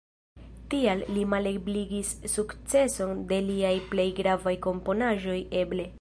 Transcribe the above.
Tial li malebligis sukceson de liaj plej gravaj komponaĵoj eble.